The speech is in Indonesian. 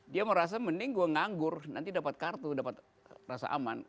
dia merasa mending gue nganggur nanti dapat kartu dapat rasa aman